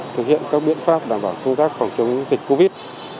thực hiện các biện pháp đảm bảo công tác phòng chống dịch covid